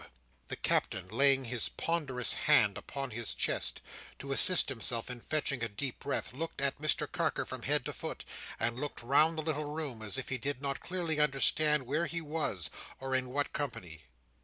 The Captain, laying his ponderous hand upon his chest, to assist himself in fetching a deep breath, looked at Mr Carker from head to foot, and looked round the little room, as if he did not clearly understand where he was, or in what company.